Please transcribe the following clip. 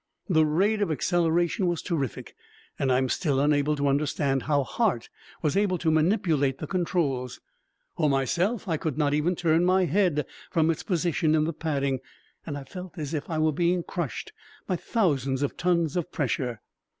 The rate of acceleration was terrific, and I am still unable to understand how Hart was able to manipulate the controls. For myself, I could not even turn my head from its position in the padding and I felt as if I were being crushed by thousands of tons of pressure.